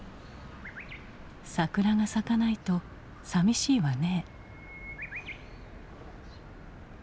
「桜が咲かないとさみしいわね」。